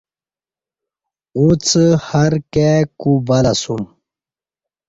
اُݩڅ ہر کائی کو بلہ اسوم